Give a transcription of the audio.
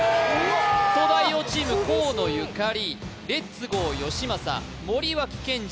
東大王チーム河野ゆかり・厳しいレッツゴーよしまさ森脇健児